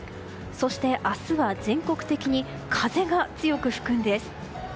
そして、明日は全国的に風が強く吹くんです。